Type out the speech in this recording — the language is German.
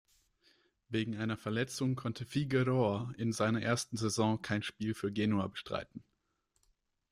Wegen einer Verletzung konnte Figueroa in seiner ersten Saison kein Spiel für Genua bestreiten.